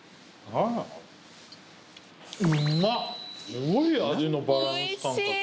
すごい味のバランス感覚。